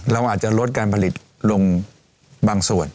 เราอาจจะลดการผลิตลงบางส่วน